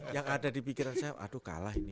yang ada di pikiran saya aduh kalah ini